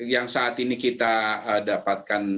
yang saat ini kita dapatkan